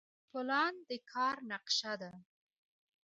پلان د کار نقشه ده